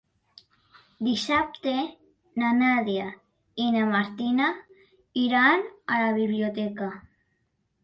Dissabte na Nàdia i na Martina aniran a la biblioteca.